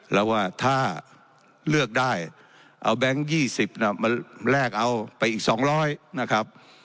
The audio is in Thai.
แล้วว่าถ้าเลือกได้เอาแบงค์ยี่สิบน่ะมาแลกเอาไปอีกสองร้อยนะครับ